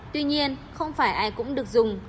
tuy nhiên không phải ai cũng được dùng